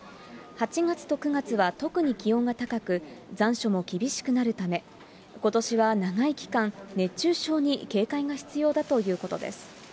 ８月と９月は特に気温が高く、残暑も厳しくなるため、ことしは長い期間、熱中症に警戒が必要だということです。